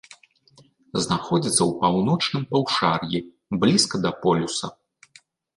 Знаходзіцца ў паўночным паўшар'і, блізка да полюса.